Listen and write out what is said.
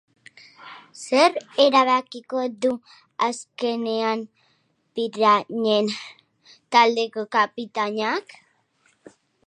Zer erabakiko du azkenean pirañen taldeko kapitainak?